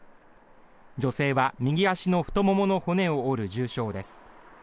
女性は右足の太ももの骨を折る重傷です。